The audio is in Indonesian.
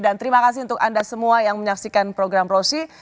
terima kasih untuk anda semua yang menyaksikan program rosi